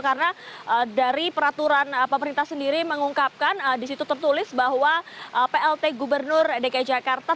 karena dari peraturan pemerintah sendiri mengungkapkan disitu tertulis bahwa plt gubernur dki jakarta